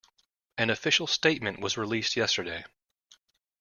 An official statement was released yesterday.